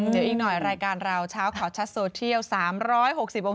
เดี๋ยวอีกหน่อยรายการเราชาวขอชัดโซเทียล๓๖๐องศาบ้าง